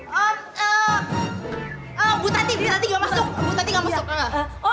bu tati bu tati gak masuk bu tati gak masuk